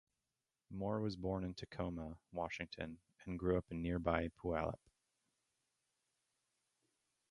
Moore was born in Tacoma, Washington, and grew up in nearby Puyallup.